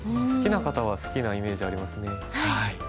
好きな方は好きなイメージありますね。